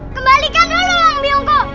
kembalikan dulu bang biungku